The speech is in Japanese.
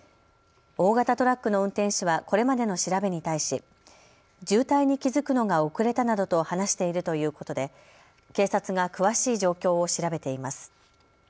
大型トラックの運転手はこれまでの調べに対し渋滞に気付くのが遅れたなどと話しているということで警察が詳しい状況を調べています。